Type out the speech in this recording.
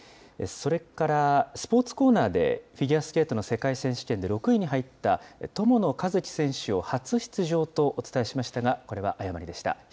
それからスポーツコーナーで、フィギュアスケートの世界選手権で６位に入った友野一希選手を初出場とお伝えしましたが、これは誤りでした。